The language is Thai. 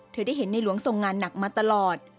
ได้เห็นในหลวงทรงงานหนักมาตลอด